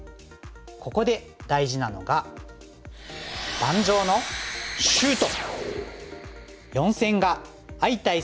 ここで大事なのが盤上のシュート！